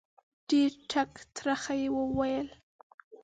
ډېر ټک ترخه یې وویل